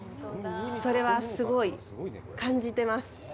それは、すごい感じてます。